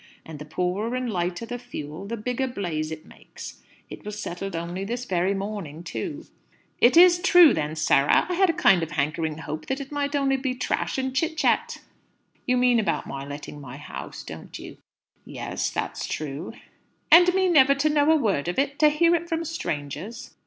And the poorer and lighter the fuel, the bigger blaze it makes. It was settled only this very morning, too." "It is true, then, Sarah? I had a kind of a hankering hope that it might be only trash and chit chat." "You mean about my letting my house, don't you? Yes; that's true." "And me never to know a word of it! To hear it from strangers!"